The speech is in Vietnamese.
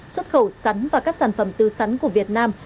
xuất khẩu sắn và các sản phẩm tư sắn của việt nam